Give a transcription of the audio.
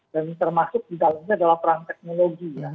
dan termasuk di dalamnya adalah perang teknologi ya